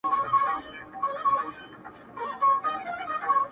سړې شپې يې تېرولې په خپل غار كي.!